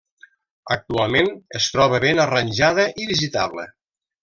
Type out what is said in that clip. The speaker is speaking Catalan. Actualment es troba ben arranjada i visitable.